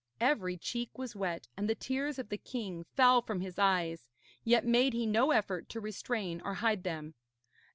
Every cheek was wet and the tears of the king fell from his eyes, yet made he no effort to restrain or hide them.